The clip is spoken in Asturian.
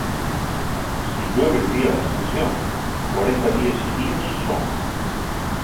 Si llueve'l día L'Ascensión, cuarenta díes siguíos son.